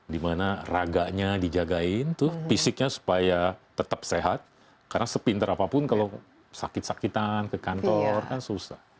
dimana raganya dijagain tuh fisiknya supaya tetap sehat karena sepinter apapun kalau sakit sakitan ke kantor kan susah